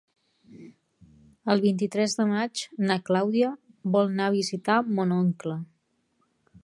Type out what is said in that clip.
El vint-i-tres de maig na Clàudia vol anar a visitar mon oncle.